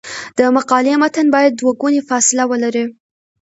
د مقالې متن باید دوه ګونی فاصله ولري.